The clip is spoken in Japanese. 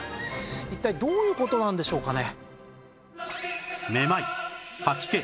一体どういう事なんでしょうかね？